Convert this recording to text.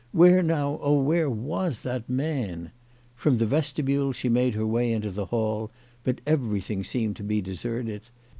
Where now, oh, where, was that man ? From the vestibule she made her way into the hall, but everything seemed to be deserted.